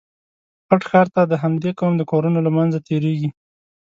پټ ښار ته د همدې قوم د کورونو له منځه تېرېږو.